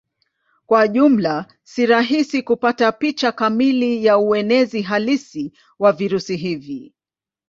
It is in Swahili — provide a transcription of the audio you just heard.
Kwa jumla si rahisi kupata picha kamili ya uenezi halisi wa virusi hivi.